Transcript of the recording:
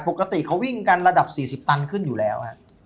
ปกติเขาวิ่งกันระดับ๔๐ตันขึ้นอยู่แล้ว